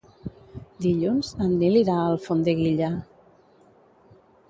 Dilluns en Nil irà a Alfondeguilla.